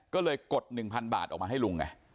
ก็เลยกด๑๐๐๐บาทออกมาให้ลุงไง